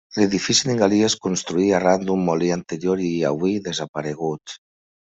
L'edifici d'en Galí es construí arran d'un molí anterior i avui desaparegut.